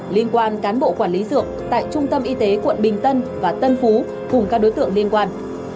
liên quan cán bộ quản lý dược tại trung tâm y tế quận bình tân và tân phú cùng các đối tượng liên quan